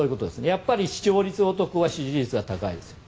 やっぱり視聴率男は支持率は高いです。